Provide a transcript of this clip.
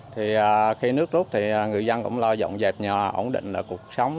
thì khi nước rút thì người dân cũng lo dọn dẹp nhà ổn định cuộc sống